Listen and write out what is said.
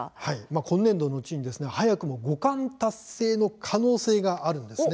今年度のうちに早くも五冠達成の可能性があるんですね。